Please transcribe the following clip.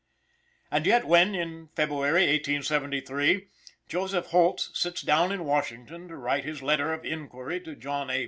And yet when, in February, 1873, Joseph Holt sits down in Washington to write his letter of inquiry to John A.